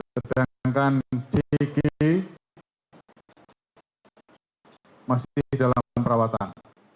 sedangkan jg masih dalam perawatan